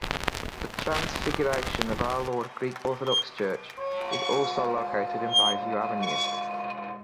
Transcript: The Transfiguration of Our Lord Greek Orthodox Church is also located in Bayview Avenue.